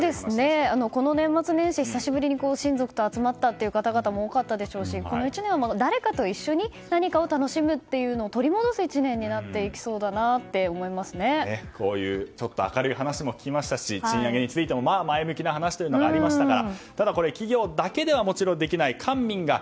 この年末年始、久しぶりに親族と集まったという方も多かったでしょうしこの１年を誰かと一緒に何かを楽しむというのを取り戻す１年にこういうちょっと明るい話も聞けましたし賃上げについても前向きな話というのがありましたから。